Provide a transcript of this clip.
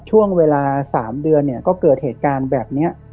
ช่วงเวลา๓เดือนเนี่ยก็เกิดเหตุการณ์แบบนี้